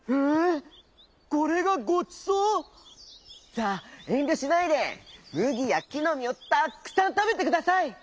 「さあえんりょしないでむぎやきのみをたっくさんたべてください！」。